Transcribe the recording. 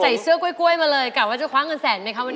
เสื้อกล้วยมาเลยกะว่าจะคว้าเงินแสนไหมคะวันนี้